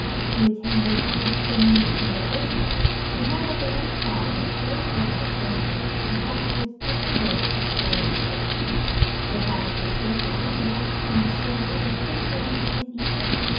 To attain this end they need, in the first place, to know that the rainfall which Hows over the surface is that which does the work of soil destruction ; so far as this surface water acts on the soil its inti Lienee is evil.